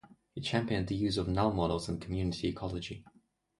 He championed the use of null models in community ecology.